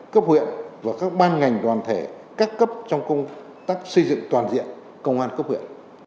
cấp huyện và các ban ngành đoàn thể các cấp trong công tác xây dựng toàn diện công an cấp huyện